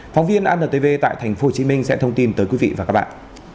phóng viên antv tại tp hcm sẽ thông tin tới quý vị và các bạn